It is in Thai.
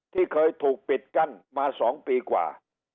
ที่เคยถูกปิดกั้นมา๒ปีกว่า